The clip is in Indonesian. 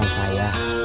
kamu pasti gak mau beli